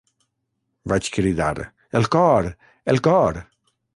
Vaig cridar: “El cor, el cor!”.